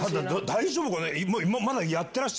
大丈夫かね？